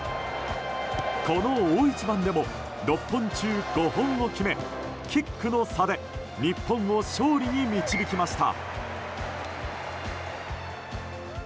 この大一番でも６本中５本を決めキックの差で日本を勝利に導きました。